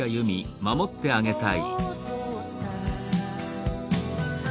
「守ってあげたい」